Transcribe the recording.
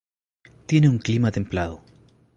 Tiene un clima Templado.